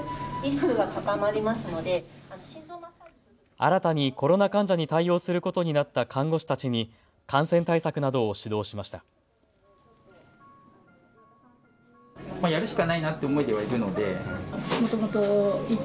新たにコロナ患者に対応することになった看護師たちに感染対策などを指導しました。